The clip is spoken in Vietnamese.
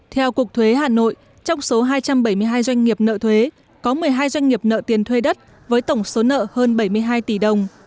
theo cục thuế hà nội trong số hai trăm bảy mươi hai doanh nghiệp nợ thuế có một mươi hai doanh nghiệp nợ tiền thuê đất với tổng số nợ hơn bảy mươi hai tỷ đồng